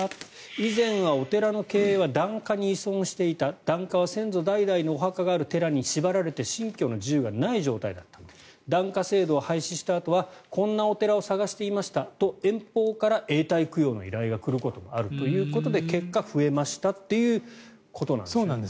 以前はお寺の経営は檀家に依存していた檀家は先祖代々のお墓がある寺に縛られて信教の自由がない状態だった檀家制度を廃止したあとはこんなお寺を探していましたと遠方から永代供養の依頼が来ることもあるということで結果、増えましたっていうことなんですね。